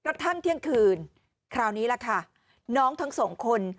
กระทั่งเที่ยงคืนคราวนี้ล่ะค่ะน้องทั้งสองคน